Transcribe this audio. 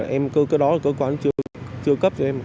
em cứ cái đó cơ quan chưa cấp cho em